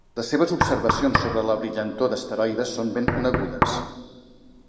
Les seves observacions sobre la brillantor d'asteroides són ben conegudes.